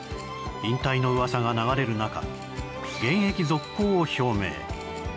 引退のうわさが流れる中現役続行を表明。